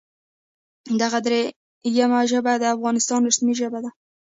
دغه دریمه ژبه هم د افغانستان رسمي ژبه ده